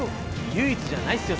唯一じゃないっすよ